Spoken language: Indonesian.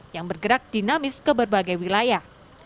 yang bergerak dinamis ke berbagai wilayah